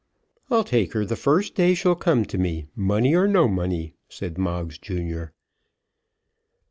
"I'll take her the first day she'll come to me, money or no money," said Moggs junior.